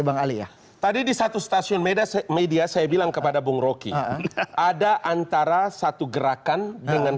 bang ali ya tadi di satu stasiun media saya bilang kepada bung rocky ada antara satu gerakan dengan